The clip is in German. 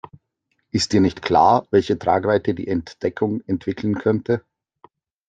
Ist dir nicht klar, welche Tragweite die Entdeckung entwickeln könnte?